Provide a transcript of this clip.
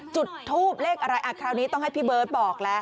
จุดทูบเลขอะไรคราวนี้ต้องให้พี่เบิร์ตบอกแล้ว